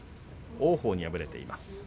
王鵬に敗れています。